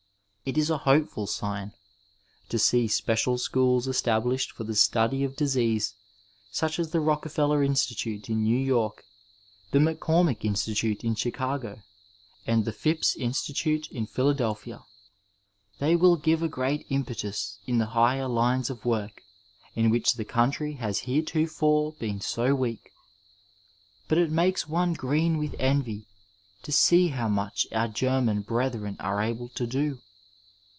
It is a hopeful sign to see special schools established for the study of disease such as the Rockefeller Institute in New York, the McGormick Institute in Ghicago and the Phipps Institute in Philadelphia. They will give a great impetus in the higher lines of work in which the country has hereto fore been so weak. But it makes one green with envy to see how much our German brethren are able to do.